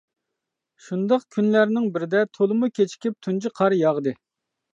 شۇنداق كۈنلەرنىڭ بىرىدە تولىمۇ كېچىكىپ تۇنجى قار ياغدى.